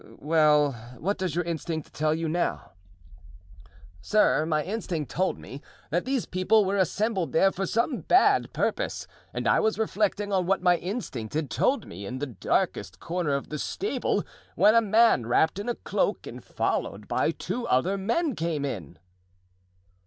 "Well, what does your instinct tell you now?" "Sir, my instinct told me that those people were assembled there for some bad purpose; and I was reflecting on what my instinct had told me, in the darkest corner of the stable, when a man wrapped in a cloak and followed by two other men, came in."